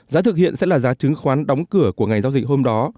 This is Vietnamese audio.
giá thực hiện sẽ là giá chứng khoán đóng cửa của ngày giao dịch hôm đó